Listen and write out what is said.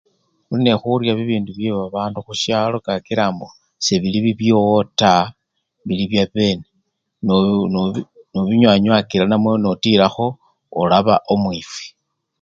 Khuli nekhurya bibindu bye babandu khusyalo kakila mbo sebili bibyowo taa bili byabene, noo! nobu! nobinywanywakila namwe notilakho olaba omwifwi.